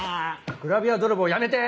グラビア泥棒やめて！